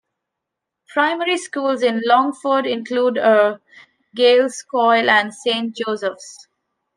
Primary schools in Longford include a Gaelscoil and Saint Joseph's.